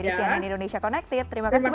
di cnn indonesia connected terima kasih